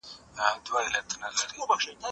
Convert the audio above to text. زه بايد منډه ووهم!.